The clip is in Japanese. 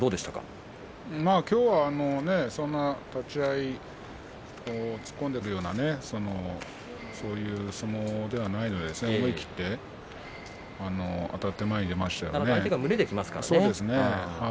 今日はそんなに立ち合い、突っ込んでくるようなそういう相撲ではないので思い切ってあたって前に出ましたよね。